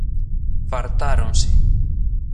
Fartáronse.